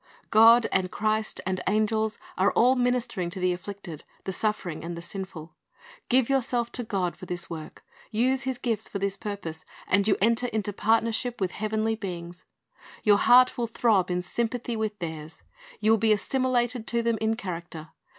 "^ God and Christ and angels are all ministering to the afflicted, the suffering, and the sinful. Give yourself to God for this work, use His gifts for this purpose, and you enter into partnership with heavenly beings. Your heart will throb in sympathy with theirs. You will be assimilated to them in character.